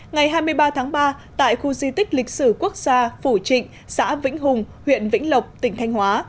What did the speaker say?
ngày hai mươi ba tháng ba tại khu di tích lịch sử quốc gia phủ trịnh xã vĩnh hùng huyện vĩnh lộc tỉnh thanh hóa